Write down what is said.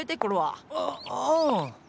ううん。